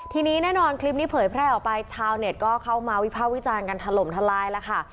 ทีนี้แน่นอนคลิปนี้เผยแพร่ออกไปชาวเน็ตก็เข้ามาวิภาควิจารณ์กันถล่มทลายแล้วค่ะ